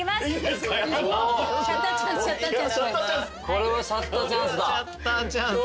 これはシャッターチャンスだ。